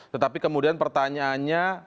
tetapi kemudian pertanyaannya